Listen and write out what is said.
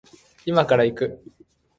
今から行く